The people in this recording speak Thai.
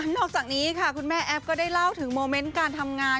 นอกจากนี้ค่ะคุณแม่แอฟก็ได้เล่าถึงโมเมนต์การทำงาน